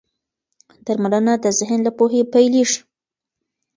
درملنه د ذهن له پوهې پيلېږي.